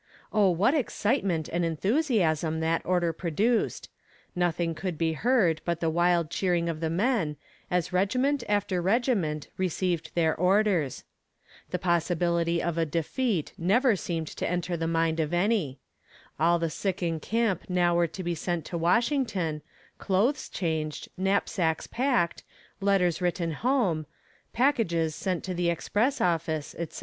Oh, what excitement and enthusiasm that order produced nothing could be heard but the wild cheering of the men, as regiment after regiment received their orders. The possibility of a defeat never seemed to enter the mind of any. All the sick in camp now were to be sent to Washington, clothes changed, knapsacks packed, letters written home, packages sent to the express office, etc.